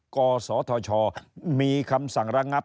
กศธชมีคำสั่งระงับ